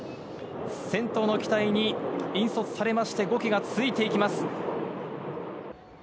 先頭の機体に引率されまして、５機がついていきます。